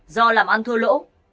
do làm ăn thua lỗ